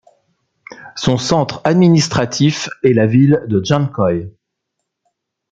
Son centre administratif est la ville de Djankoï.